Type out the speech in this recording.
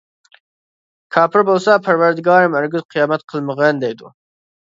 كاپىر بولسا: پەرۋەردىگارىم، ھەرگىز قىيامەت قىلمىغىن دەيدۇ.